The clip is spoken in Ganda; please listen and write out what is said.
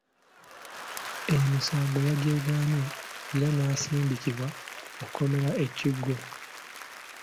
Emisango yagyegaana era n’asindikibwa mu kkomera e Kigo.